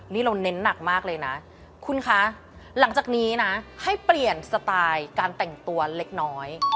นี่เราเน้นหนักมากเลยนะคุณคะหลังจากนี้นะให้เปลี่ยนสไตล์การแต่งตัวเล็กน้อย